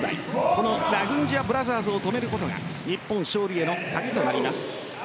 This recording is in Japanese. このラグンジヤブラザーズを止めることが日本勝利への鍵となります。